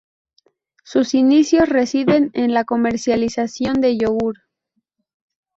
Sus inicios residen en la comercialización de yogur.